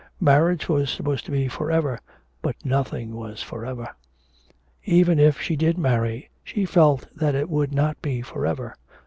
Marriage was supposed to be for ever, but nothing was for ever. Even if she did marry, she felt that it would not be for ever.